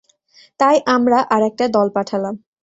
তাই আমরা আর একটা দল পাঠালাম।